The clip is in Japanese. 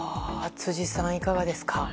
辻さん、いかがですか。